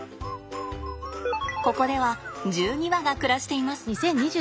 ここでは１２羽が暮らしています。